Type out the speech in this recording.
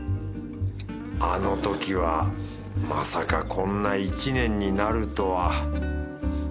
あの時はまさかこんな１年になるとは